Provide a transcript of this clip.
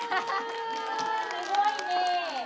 すごいね。